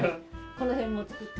この辺も作って。